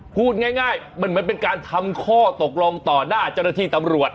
พูดง่ายมันเป็นการทำข้อตกลงต่อหน้าจรฐีตำรวจ